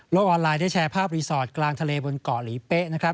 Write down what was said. ออนไลน์ได้แชร์ภาพรีสอร์ทกลางทะเลบนเกาะหลีเป๊ะนะครับ